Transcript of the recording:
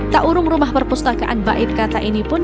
taurung rumah perpustakaan baik kata ini pun